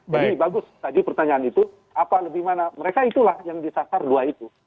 jadi bagus tadi pertanyaan itu apa lebih mana mereka itulah yang disasar dua itu